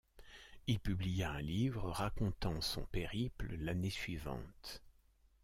Il publia un livre racontant son périple l'année suivante.